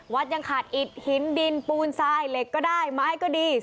วัดยังขาดอิดหินดินปูนไซค์เล็กก็ได้ไม้ก็ดีดี